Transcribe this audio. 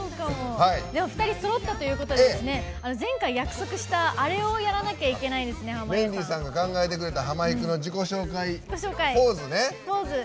２人そろったということで前回約束した、あれをメンディーさんが考えてくれたハマいくの自己紹介ポーズね。